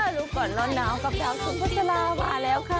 หน่ากลัวกับชาวสุภสราวขาแล้วค่ะ